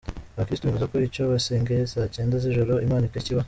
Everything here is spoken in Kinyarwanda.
Abakirisitu bemeza ko icyo basengeye saa cyenda z’ijoro Imana ikibaha.